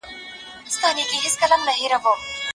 د الوتکې په داخل کې د خدمتګارانو چلند ډېر د ستاینې وړ و.